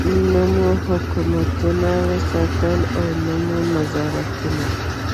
نه مو حکومتونه وساتل او نه مو نظامونه.